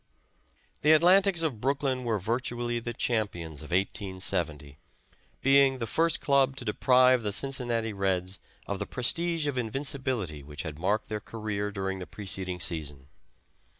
The Atlantics of Brooklyn were virtually the champions of 1870, being the first club to deprive the Cincinnati Reds of the prestige of invincibility which had marked their career during the preceding season.